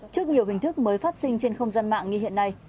trước nhiều hình thức mới phát sinh trên không gian mạng như hiện nay